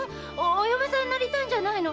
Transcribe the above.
お嫁さんになりたいんじゃないの。